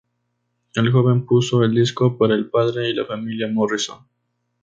El joven puso el disco para el padre y la familia Morrison.